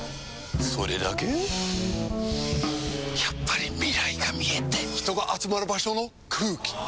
やっぱり未来が見えて人が集まる場所の空気！